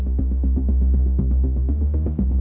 ผมไม่มีอะไรเสียแล้ว